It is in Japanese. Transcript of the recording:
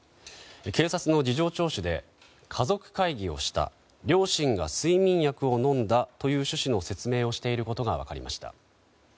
警察の事情聴取で家族会議をした両親が睡眠薬を飲んだという趣旨の説明をしていることが分かりました。